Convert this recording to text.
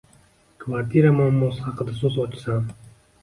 Kvartira muammosi haqida so‘z ochsam